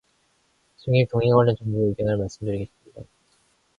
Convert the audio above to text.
증액 동의 관련 정부 의견을 말씀드리겠습니다.